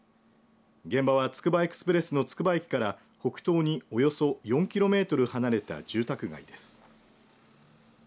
現場はつくばエクスプレスのつくば駅から北東におよそ４キロメートル離れた住宅街です。